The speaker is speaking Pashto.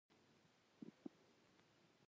څوک چي څونه پر نورو بد ګومانه يي؛ هغونه پرځان هم يي.